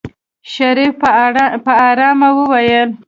شريف په آرامه وويل.